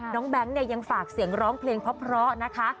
น้องแบงค์ยังฝากเสียงร้องเพลงเพราะนะคะ